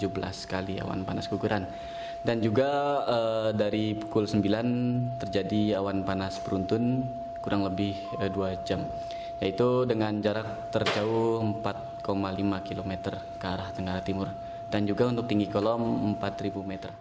pukul sembilan tiga puluh pagi tadi hingga pukul sebelas terjadi awan panas guguran beruntun dengan jarak luncur terjauh empat lima ratus meter